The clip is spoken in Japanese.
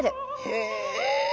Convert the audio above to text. へえ。